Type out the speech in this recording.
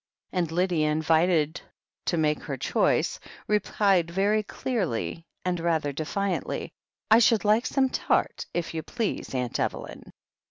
And Lydia, invited to make her choice, replied very clearly and rather defiantly : "I should like some tart, if you please, Atmt Eve lyn."